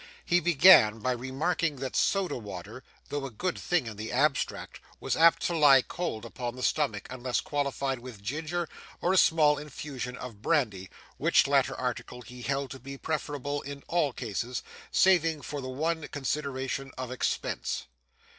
He began by remarking that soda water, though a good thing in the abstract, was apt to lie cold upon the stomach unless qualified with ginger, or a small infusion of brandy, which latter article he held to be preferable in all cases, saving for the one consideration of expense.